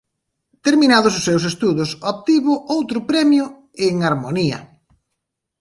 Terminados o seus estudos obtivo outro premio en Harmonía.